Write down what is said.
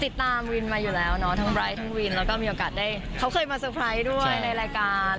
ติดตามวินมาอยู่แล้วเนาะทั้งไร้ทั้งวินแล้วก็มีโอกาสได้เขาเคยมาเตอร์ไพรส์ด้วยในรายการ